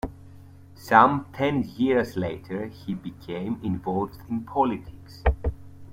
Some ten years later he became involved in politics.